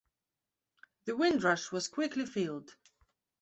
The "Windrush" was quickly filled.